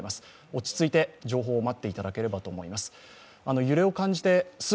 落ち着いて情報を待っていただければと思います。